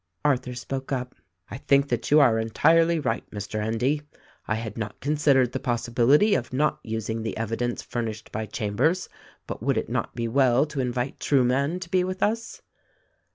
Arthur spoke up : "I think that you are entirely right Mr. Endy. 1 had not considered the possibility of not using the evidence furnished by Chambers ; but would it not be well to invite Trueman to be with us